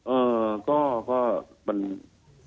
เออก็มัน